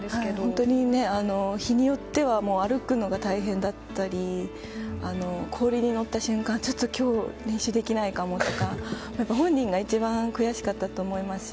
本当に、日によっては歩くのが大変だったり氷に乗った瞬間今日、練習できないかもとか本人が一番、悔しかったと思いますし。